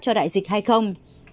cho đại dịch hay không